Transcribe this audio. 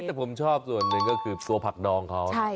แต่ผมชอบส่วนหนึ่งก็คือตัวผักดองเขา